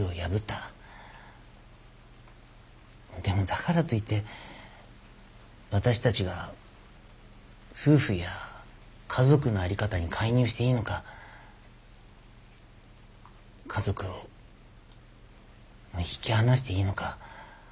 でもだからといって私たちが夫婦や家族の在り方に介入していいのか家族を引き離していいのか。